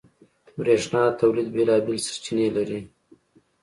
برېښنا د تولید بېلابېل سرچینې لري.